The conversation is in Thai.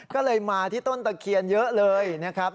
ก็เลยมาที่ต้นตะเคียนเยอะเลยนะครับ